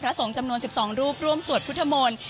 สงฆ์จำนวน๑๒รูปร่วมสวดพุทธมนต์